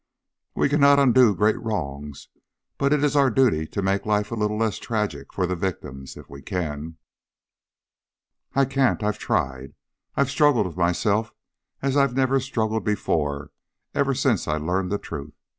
"We cannot undo great wrongs, but it is our duty to make life a little less tragic for the victims, if we can." "I can't. I've tried, I've struggled with myself as I've never struggled before, ever since I learned the truth.